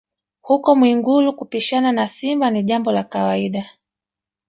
Huko Mwigulu kupishana na simba ni jambo la kawaida